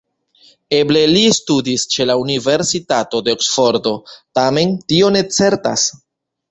Eble li studis ĉe la Universitato de Oksfordo, tamen tio ne certas.